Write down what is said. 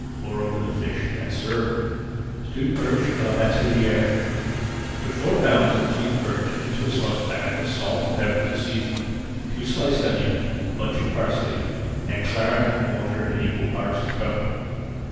Pour over the fish and serve. STEWED PERCH À LA BATELIÈRE Put four pounds of cleaned perch into a saucepan with salt and pepper to season, two sliced onions, a bunch of parsley, and Claret [Page 237] and water in equal parts to cover.